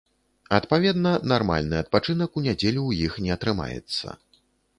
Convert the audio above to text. Адпаведна, нармальны адпачынак у нядзелю ў іх не атрымаецца.